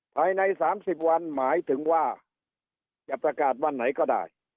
ภายใน๓๐วันหมายถึงว่าจะประกาศวันไหนก็ได้